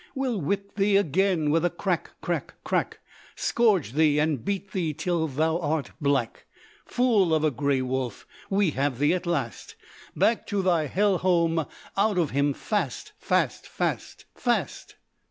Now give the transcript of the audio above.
We'll whip thee again, with a crack, crack, crack! Scourge thee and beat thee till thou art black; Fool of a greywolf, we have thee at last, Back to thy hell home, out of him fast Fast, fast, fast!